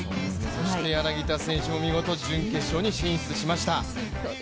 そして柳田選手も見事決勝進出しました。